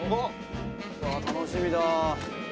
「うわー楽しみだ」